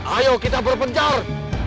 ayo kita berpencar